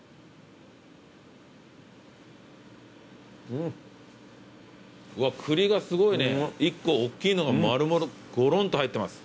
うわクリがすごいね１個おっきいのが丸々ごろんと入ってます。